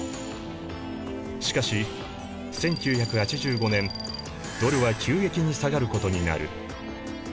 しかし１９８５年ドルは急激に下がることになる。